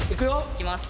いきます。